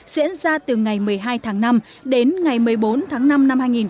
diễn ra từ ngày một mươi hai tháng năm đến ngày một mươi bốn tháng năm năm hai nghìn một mươi chín